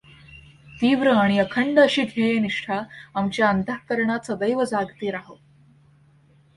तीव्र आणि अखंड अशी ध्येयनिष्ठा आमच्या अंतःकरणात सदैव जागती राहो.